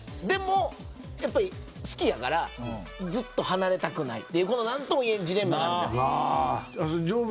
でもやっぱり好きやからずっと離れたくないっていうこの何ともいえんジレンマなんですよ。